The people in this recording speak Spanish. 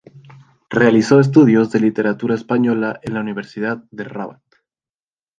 Realizó estudios de literatura española en la Universidad de Rabat.